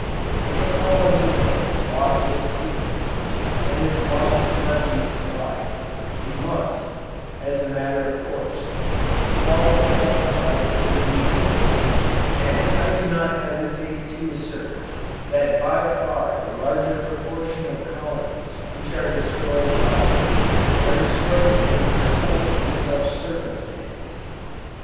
If a colony has lost its queen, and this loss cannot be supplied, it must, as a matter of course, fall a sacrifice to the bee moth: and I do not hesitate to assert that by far the larger proportion of colonies which are destroyed by it, are destroyed under precisely such circumstances!